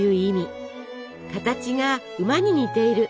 形が馬に似ている。